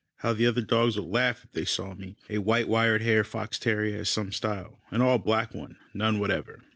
How the other dogs would laugh if they saw me. A white wire haired fox terrier has some style an all black one, none whatever.